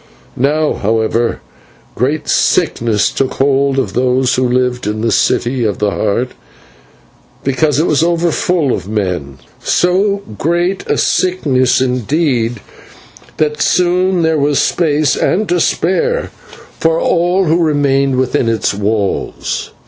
Now, however, great sickness took hold of those who lived in the City of the Heart, because it was over full of men so great a sickness, indeed, that soon there was space and to spare for all who remained within its walls.